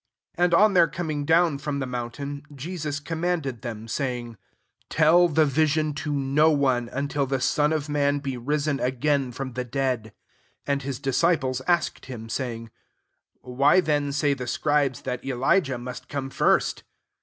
9 And on their coming down from the mountain, Jesus com manded them, saying, " Tell *^e vision to no one, until the Son of man be ri8<m)&gain fronx the dead." 10 And ^his disci ples asked him, saying, " Why then say the scribes, that Eli jah must come first?"